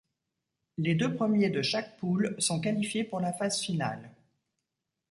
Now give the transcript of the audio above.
Les deux premiers de chaque poules sont qualifiés pour la phase finale.